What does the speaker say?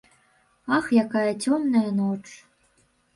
Ах, якая цёмная ноч.